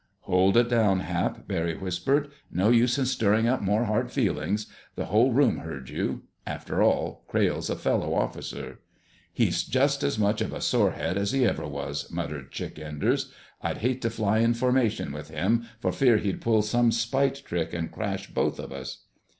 "Hold it down, Hap!" Barry whispered. "No use in stirring up more hard feelings. The whole room heard you. After all, Crayle's a fellow officer." "He's just as much of a sorehead as he ever was," muttered Chick Enders. "I'd hate to fly in formation with him, for fear he'd pull some spite trick and crash both of us."